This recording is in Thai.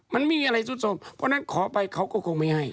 มันไม่มีอะไรซุดสมเพราะฉะนั้นขอไปเขาก็คงไม่ให้